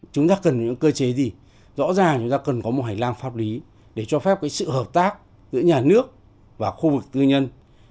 chúng ta cần những cơ chế gì rõ ràng chúng ta cần có một hành lang pháp lý để cho phép sự hợp tác giữa nhà nước và khu vực tư nhân